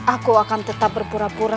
aku akan tetap berpura pura